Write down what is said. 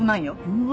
うわ。